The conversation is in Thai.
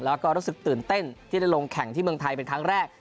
แล้วก็รู้สึกตื่นเต้นที่ได้ลงแข่งที่เมืองไทยเป็นครั้งแรก